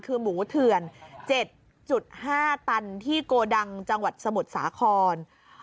คือหมูเถื่อน๗๕ตันที่โกดังจังหวัดสมุทรสาคร